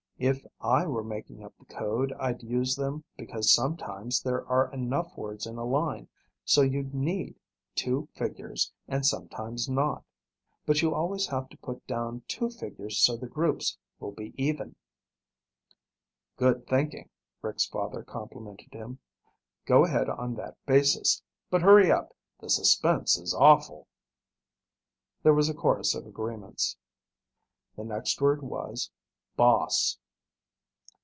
If I were making up the code, I'd use them because sometimes there are enough words in a line so you need two figures and sometimes not. But you always have to put down two figures so the groups will be even." "Good thinking," Rick's father complimented him. "Go ahead on that basis. But hurry up. The suspense is awful." There was a chorus of agreements. The next word was "boss."